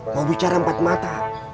mau bicara empat mata